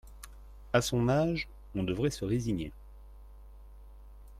A son âge, on devait se résigner.